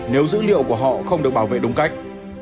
nếu dữ liệu của họ không được bảo vệ đúng cách